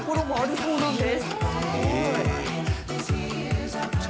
そうなんです。